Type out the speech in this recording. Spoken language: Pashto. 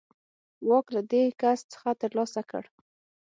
واک له دې کس څخه ترلاسه کړ.